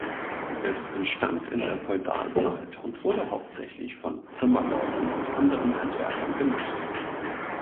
Es entstand in der Feudalzeit und wurde hauptsächlich von Zimmerleuten und anderen Handwerkern genutzt.